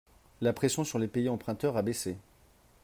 La pression sur les pays emprunteurs a baissé.